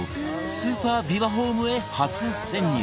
スーパービバホームへ初潜入